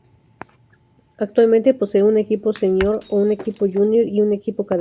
Actualmente posee un equipo senior, un equipo junior y un equipo cadete.